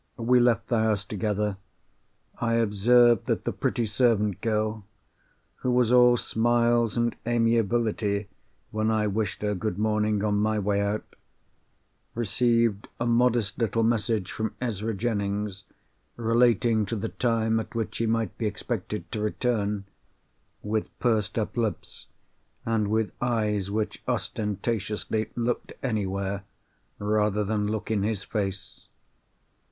We left the house together. I observed that the pretty servant girl—who was all smiles and amiability, when I wished her good morning on my way out—received a modest little message from Ezra Jennings, relating to the time at which he might be expected to return, with pursed up lips, and with eyes which ostentatiously looked anywhere rather than look in his face.